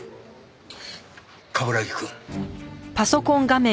冠城くん。